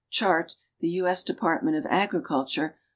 Chart. The U. S. Depai t ment of Agriculture.